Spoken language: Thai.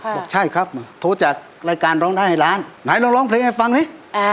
บอกใช่ครับโทรจากรายการร้องได้ให้ร้านไหนเราร้องเพลงให้ฟังดิ